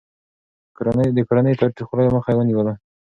د کورني تاوتريخوالي مخه يې نيوله.